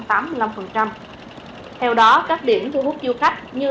theo đó các điểm thu hút du khách như